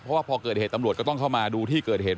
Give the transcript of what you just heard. เพราะว่าพอเกิดเหตุก็มาดูที่เกิดเหตุ